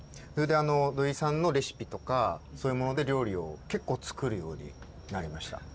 土井さんのレシピとかそういうもので料理を結構作るようになりました。